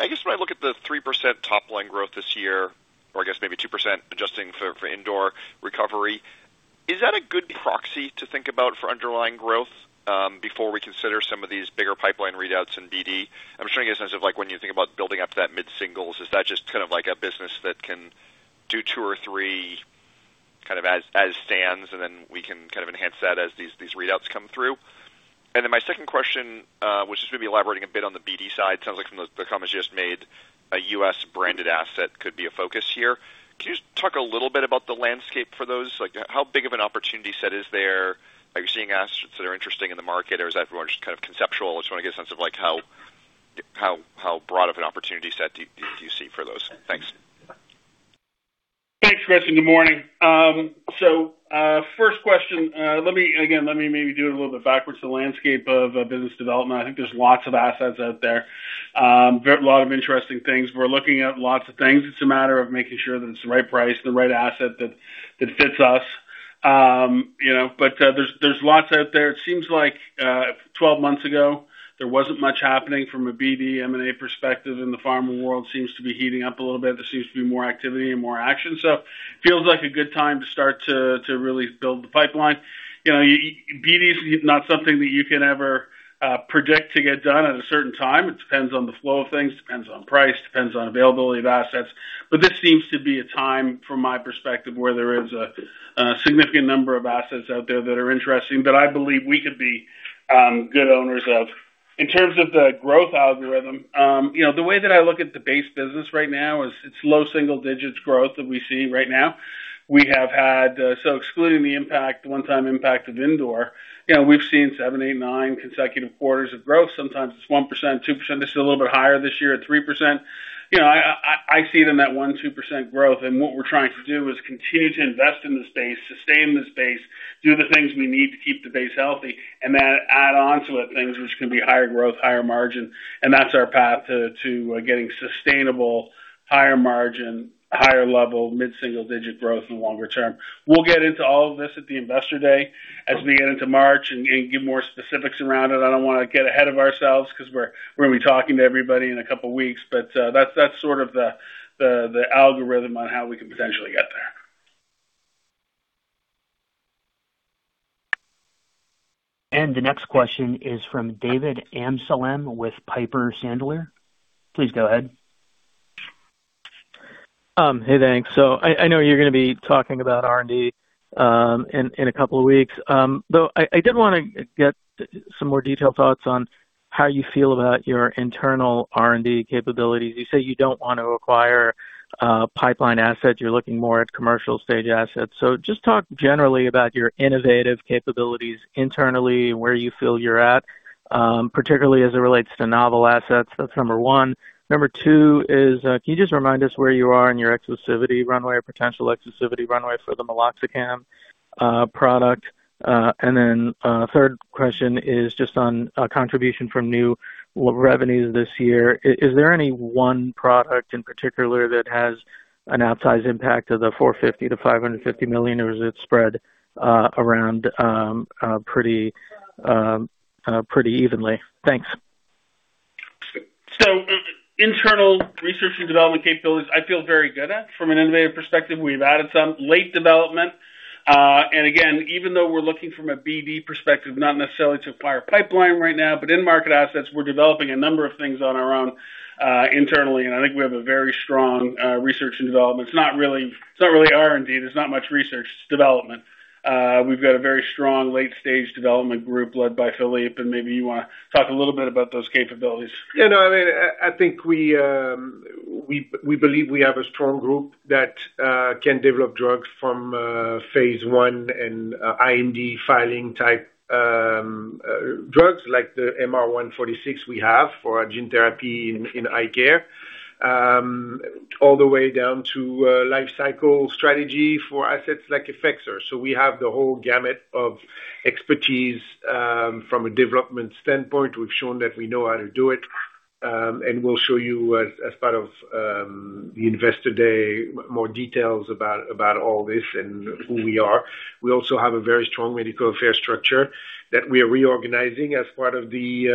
I guess when I look at the 3% top line growth this year, or I guess maybe 2% adjusting for India recovery, is that a good proxy to think about for underlying growth before we consider some of these bigger pipeline readouts in BD? I'm just trying to get a sense of like, when you think about building up to that mid-singles, is that just kind of like a business that can do two or three kind of as stands, and then we can kind of enhance that as these readouts come through? My second question, which is maybe elaborating a bit on the BD side, sounds like from the comments you just made, a U.S.-branded asset could be a focus here. Can you just talk a little bit about the landscape for those? Like, how big of an opportunity set is there? Are you seeing assets that are interesting in the market, or is that more just kind of conceptual? I just wanna get a sense of like how broad of an opportunity set do you see for those. Thanks. Thanks, Chris, and good morning. First question, again, let me maybe do it a little bit backwards. The landscape of business development, I think there's lots of assets out there. Very lot of interesting things. We're looking at lots of things. It's a matter of making sure that it's the right price, the right asset that fits us. You know, but there's lots out there. It seems like 12 months ago, there wasn't much happening from a BD M&A perspective, and the pharma world seems to be heating up a little bit. There seems to be more activity and more action. Feels like a good time to start to really build the pipeline. You know, BD is not something that you can ever predict to get done at a certain time. It depends on the flow of things, depends on price, depends on availability of assets. This seems to be a time, from my perspective, where there is a significant number of assets out there that are interesting, that I believe we could be good owners of. In terms of the growth algorithm, you know, the way that I look at the base business right now is it's low single digits growth that we see right now. We have had, excluding the impact, one-time impact of India, you know, we've seen seven, eight, nine consecutive quarters of growth. Sometimes it's 1%, 2%. This is a little bit higher this year at 3%. You know, I see them at 1%, 2% growth. What we're trying to do is continue to invest in the space, sustain the space, do the things we need to keep the base healthy, and then add onto it things which can be higher growth, higher margin. That's our path to getting sustainable, higher margin, higher level, mid-single digit growth in the longer term. We'll get into all of this at the Investor Day as we get into March and give more specifics around it. I don't wanna get ahead of ourselves because we're gonna be talking to everybody in a couple of weeks. That's sort of the algorithm on how we can potentially get there. The next question is from David Amsellem with Piper Sandler. Please go ahead. Hey, thanks. I know you're gonna be talking about R&D in a couple of weeks. I did wanna get some more detailed thoughts on. how you feel about your internal R&D capabilities. You say you don't want to acquire pipeline assets, you're looking more at commercial stage assets. Just talk generally about your innovative capabilities internally, and where you feel you're at, particularly as it relates to novel assets. That's number one. Number two is, can you just remind us where you are in your exclusivity runway or potential exclusivity runway for the meloxicam product? Then, third question is just on contribution from new revenues this year. Is there any one product in particular that has an outsized impact of the $450 million-$550 million, or is it spread around pretty pretty evenly? Thanks. Internal research and development capabilities, I feel very good at. From an innovative perspective, we've added some late development. Again, even though we're looking from a BD perspective, not necessarily to acquire pipeline right now, but in-market assets, we're developing a number of things on our own, internally. I think we have a very strong research and development. It's not really, it's not really R&D. There's not much research development. We've got a very strong late-stage development group led by Philippe, and maybe you wanna talk a little bit about those capabilities. You know, I think we believe we have a strong group that can develop drugs from Phase I and IND filing type drugs, like the MR-146 we have for our gene therapy in eye care. All the way down to life cycle strategy for assets like EFFEXOR. We have the whole gamut of expertise from a development standpoint. We've shown that we know how to do it, and we'll show you as part of the Investor Day, more details about all this and who we are. We also have a very strong medical affairs structure that we are reorganizing as part of the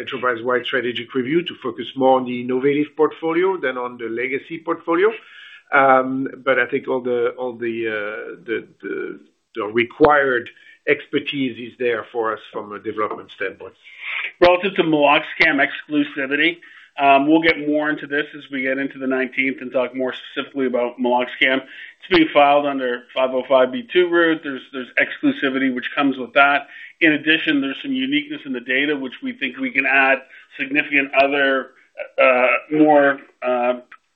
enterprise-wide strategic review to focus more on the innovative portfolio than on the legacy portfolio. I think all the required expertise is there for us from a development standpoint. Relative to meloxicam exclusivity, we'll get more into this as we get into the 19th and talk more specifically about meloxicam. It's being filed under 505(b)(2) route. There's exclusivity, which comes with that. In addition, there's some uniqueness in the data, which we think we can add significant other, more,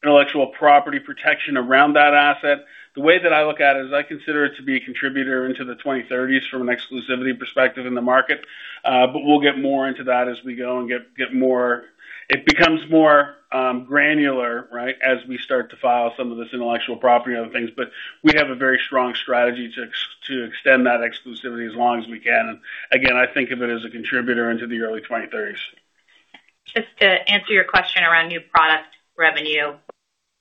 intellectual property protection around that asset. The way that I look at it is I consider it to be a contributor into the 2030s from an exclusivity perspective in the market. We'll get more into that as we go and get more. It becomes more granular, right, as we start to file some of this intellectual property and other things. We have a very strong strategy to extend that exclusivity as long as we can. Again, I think of it as a contributor into the early 2030s. Just to answer your question around new product revenue,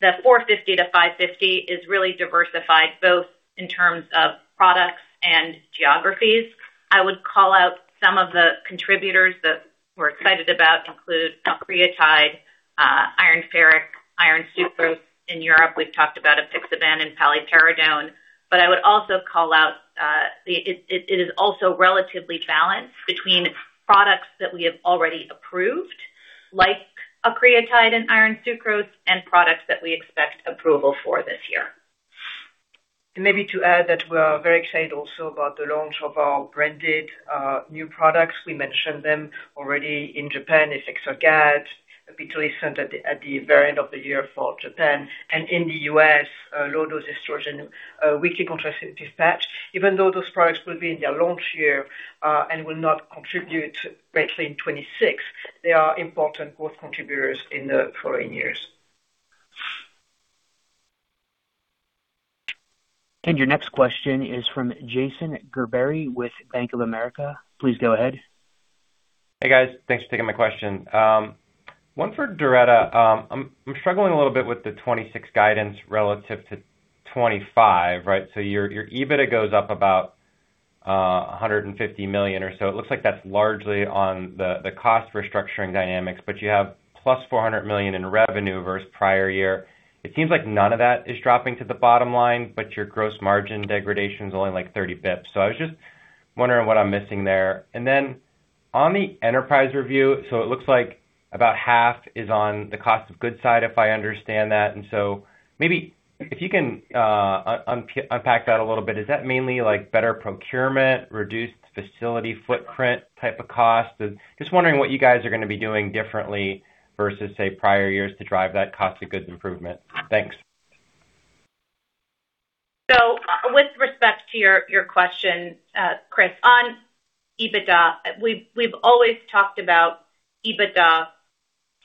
the $450-550 million is really diversified, both in terms of products and geographies. I would call out some of the contributors that we're excited about include octreotide, iron ferric, iron sucrose. In Europe, we've talked about apixaban and polythiazide. I would also call out, it is also relatively balanced between products that we have already approved, like octreotide and iron sucrose, and products that we expect approval for this year. Maybe to add, that we are very excited also about the launch of our branded new products. We mentioned them already in Japan, Effexor SR, Spydia at the very end of the year for Japan. In the U.S., low-dose estrogen weekly contraceptive patch. Even though those products will be in their launch year and will not contribute greatly in 26, they are important growth contributors in the following years. Your next question is from Jason Gerberry with Bank of America. Please go ahead. Hey, guys. Thanks for taking my question. One for Doretta. I'm struggling a little bit with the 2026 guidance relative to 2025, right? Your, your EBITDA goes up about $150 million or so. It looks like that's largely on the cost restructuring dynamics, but you have +$400 million in revenue versus prior year. It seems like none of that is dropping to the bottom line, but your gross margin degradation is only, like, 30 bips. I was just wondering what I'm missing there. On the enterprise review, it looks like about half is on the cost of goods side, if I understand that. And maybe if you can unpack that a little bit, is that mainly like better procurement, reduced facility footprint type of cost? Just wondering what you guys are gonna be doing differently versus, say, prior years to drive that cost of goods improvement. Thanks. With respect to your question, Chris, on EBITDA, we've always talked about EBITDA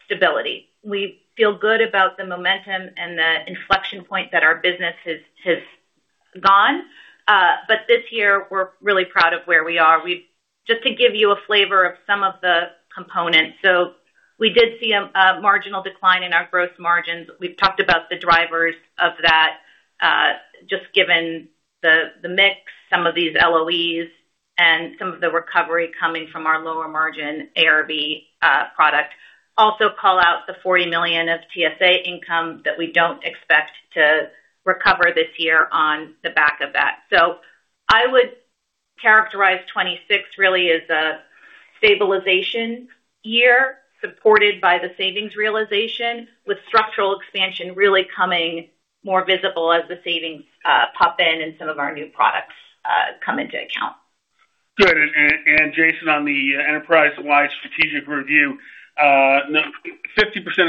stability. We feel good about the momentum and the inflection point that our business has gone, this year we're really proud of where we are. Just to give you a flavor of some of the components. We did see a marginal decline in our gross margins. We've talked about the drivers of that, just given the mix, some of these LOEs, and some of the recovery coming from our lower margin ARB product. Also call out the $40 million of TSA income that we don't expect to recover this year on the back of that. I would characterize 2026 really as a stabilization year, supported by the savings realization, with structural expansion really coming. more visible as the savings, pop in and some of our new products, come into account. Good. Jason, on the enterprise-wide strategic review, 50%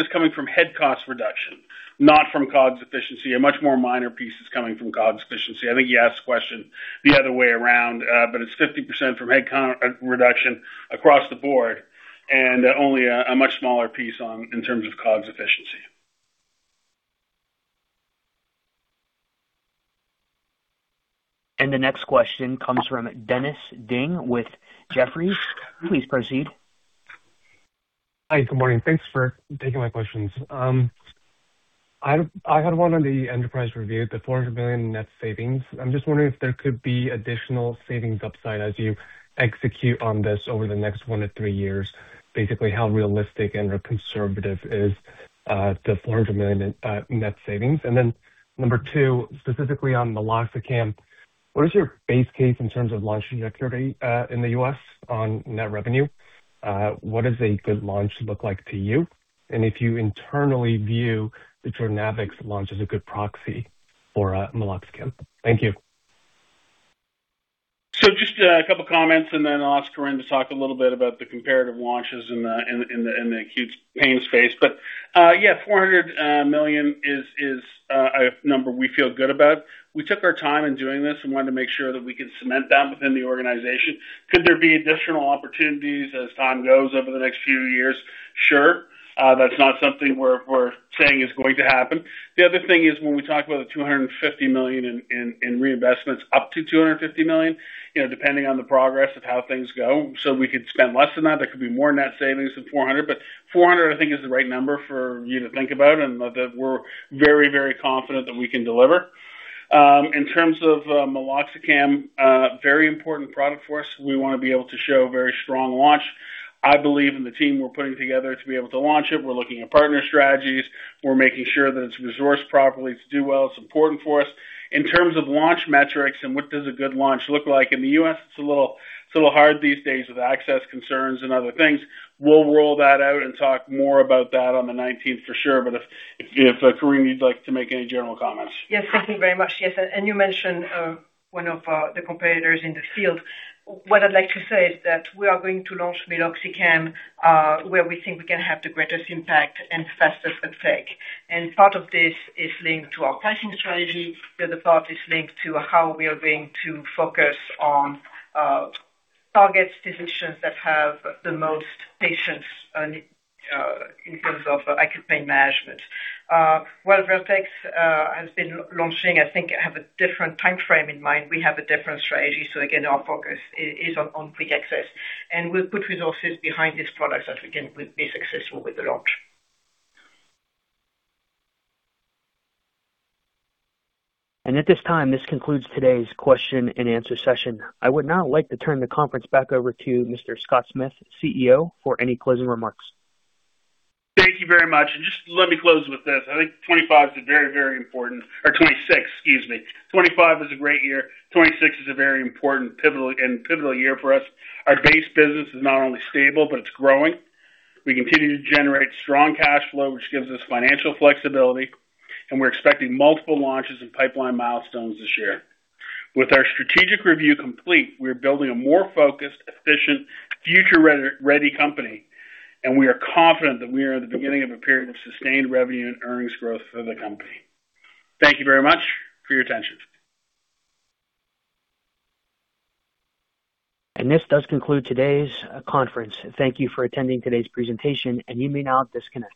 is coming from head cost reduction, not from COGS efficiency. A much more minor piece is coming from COGS efficiency. I think you asked the question the other way around, but it's 50% from head count reduction across the board and only a much smaller piece on, in terms of COGS efficiency. The next question comes from Dennis Ding with Jefferies. Please proceed. Hi, good morning. Thanks for taking my questions. I had one on the enterprise review, the $400 million net savings. I'm just wondering if there could be additional savings upside as you execute on this over the next 1-3 years. Basically, how realistic and or conservative is the $400 million net savings? Number two, specifically on meloxicam, what is your base case in terms of launching activity in the U.S. on net revenue? What does a good launch look like to you? If you internally view the Jordanavix launch as a good proxy for meloxicam? Thank you. Just a couple comments, and then I'll ask Corinne to talk a little bit about the comparative launches in the acute pain space. Yeah, $400 million is a number we feel good about. We took our time in doing this and wanted to make sure that we could cement that within the organization. Could there be additional opportunities as time goes over the next few years? Sure. That's not something we're saying is going to happen. The other thing is, when we talk about the $250 million in reinvestments, up to $250 million, you know, depending on the progress of how things go, we could spend less than that. There could be more net savings than 400, but 400, I think, is the right number for you to think about and that we're very, very confident that we can deliver. In terms of meloxicam, very important product for us. We want to be able to show very strong launch. I believe in the team we're putting together to be able to launch it. We're looking at partner strategies. We're making sure that it's resourced properly to do well. It's important for us. In terms of launch metrics and what does a good launch look like in the U.S., it's a little, it's a little hard these days with access concerns and other things. We'll roll that out and talk more about that on the 19th for sure, but if Corinne, you'd like to make any general comments. Yes, thank you very much. Yes, and you mentioned one of the competitors in the field. What I'd like to say is that we are going to launch meloxicam where we think we can have the greatest impact and fastest effect. Part of this is linked to our pricing strategy, the other part is linked to how we are going to focus on target physicians that have the most patients in terms of acute pain management. While Vertex has been launching, I think, have a different timeframe in mind, we have a different strategy. Again, our focus is on quick access, and we'll put resources behind this product, as again, we'll be successful with the launch. At this time, this concludes today's question and answer session. I would now like to turn the conference back over to Mr. Scott Smith, CEO, for any closing remarks. Thank you very much. Just let me close with this. I think 25 is a very important or 26, excuse me. 25 is a great year. 26 is a very important, pivotal year for us. Our base business is not only stable, but it's growing. We continue to generate strong cash flow, which gives us financial flexibility, and we're expecting multiple launches and pipeline milestones this year. With our strategic review complete, we are building a more focused, efficient, future re-ready company, and we are confident that we are at the beginning of a period of sustained revenue and earnings growth for the company. Thank you very much for your attention. This does conclude today's conference. Thank you for attending today's presentation, and you may now disconnect.